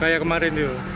kayak kemarin dulu